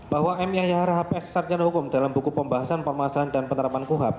bahwa m yahya rahapes sarjana hukum dalam buku pembahasan pemasalan dan penerapan kuhap